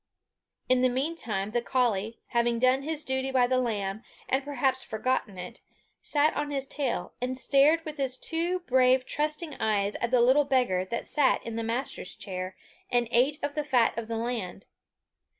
In the mean time the collie, having done his duty by the lamb, and perhaps forgotten it, sat on his tail, and stared with his two brave trusting eyes at the little beggar that sat in the master's chair, and ate of the fat of the land.